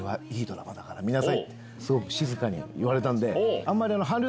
すごく静かに言われたんで。